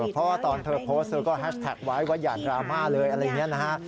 เพราะว่าตอนเธอโพสต์เธอก็แฮชแท็กไว้ว่าอย่าดราม่าเลยอะไรอย่างนี้นะฮะ